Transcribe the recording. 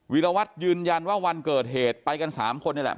วิรวัตรยืนยันว่าวันเกิดเหตุไปกัน๓คนนี่แหละ